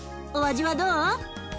お味はどう？